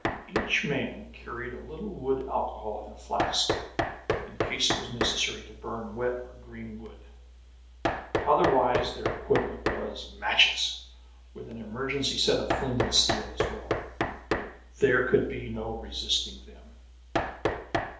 Each man carried a little wood alcohol in a flask, in case it was necessary to burn wet or green wood. Otherwise, their equipment was matches, with an emergency set of flint and steel as well. There could be no resisting them.